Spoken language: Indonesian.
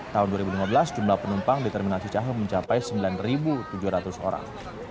tahun dua ribu lima belas jumlah penumpang di terminal cicahem mencapai sembilan tujuh ratus orang